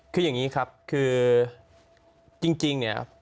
คืออย่างนี้ครับคือจริงเนี่ย